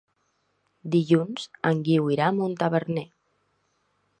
Dilluns en Guiu irà a Montaverner.